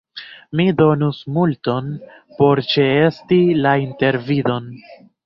Mi donus multon por ĉeesti la intervidon.